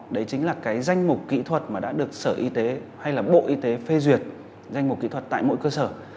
đấy chính là cái danh mục kỹ thuật mà đã được sở y tế hay là bộ y tế phê duyệt danh mục kỹ thuật tại mỗi cơ sở